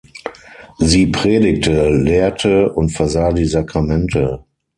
Sie predigte, lehrte und versah die Sakramente.